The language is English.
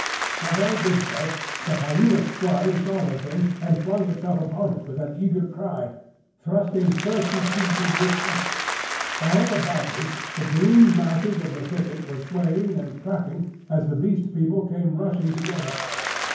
As I did so, the Hyena swine saw the Thing, and flung itself upon it with an eager cry, thrusting thirsty teeth into its neck. All about me the green masses of the thicket were swaying and cracking as the Beast People came rushing together.